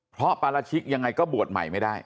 เพราะปราชิกยังไงก็บวชใหม่ไม่ได้